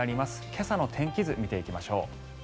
今朝の天気図見ていきましょう。